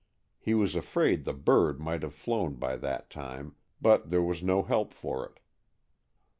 He was afraid the bird might have flown by that time, but there was no help for it.